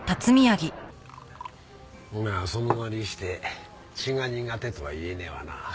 まあそのなりして血が苦手とは言えねえわな。